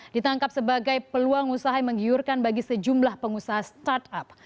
ditangkap sebagai peluang usaha yang menggiurkan bagi sejumlah pengusaha startup